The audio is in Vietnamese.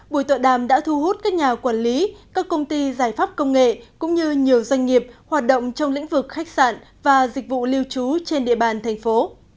buổi tọa đàm đã thu hút các nhà quản lý các công ty giải pháp công nghệ cũng như nhiều doanh nghiệp hoạt động trong lĩnh vực khách sạn và dịch vụ lưu trú trên địa bàn thành phố